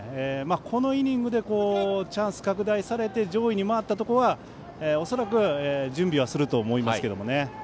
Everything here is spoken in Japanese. このイニングでチャンス拡大されて上位に回った時には恐らく準備はすると思います。